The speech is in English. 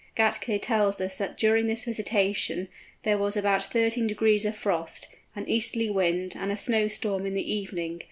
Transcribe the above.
Gätke tells us that during this visitation, there was about thirteen degrees of frost, an easterly wind, and a snowstorm in the evening.